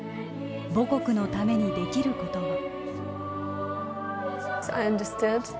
母国のためにできることを。